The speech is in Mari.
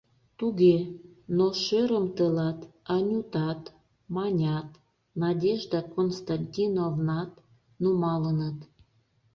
— Туге, но шӧрым тылат Анютат, Манят, Надежда Константиновнат нумалыныт.